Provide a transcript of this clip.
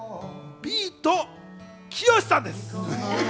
ビートきよしさんです。